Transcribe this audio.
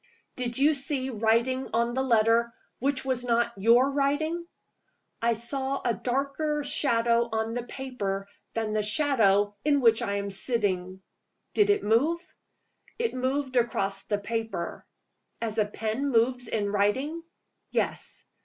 "Did you see writing on the letter, which was not your writing?" "I saw a darker shadow on the paper than the shadow in which I am sitting." "Did it move?" "It moved across the paper." "As a pen moves in writing?" "Yes.